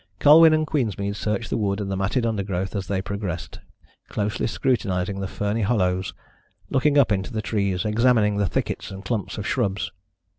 Colwyn and Queensmead searched the wood and the matted undergrowth as they progressed, closely scrutinising the ferny hollows, looking up into the trees, examining the thickets and clumps of shrubs.